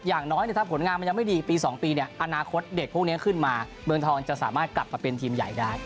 อย่างน้อยถ้าผลงานมันยังไม่ดีปี๒ปีเนี่ยอนาคตเด็กพวกนี้ขึ้นมาเมืองทองจะสามารถกลับมาเป็นทีมใหญ่ได้